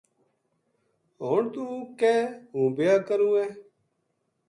ہن توہ کہے ہوں بیاہ کروں ہے "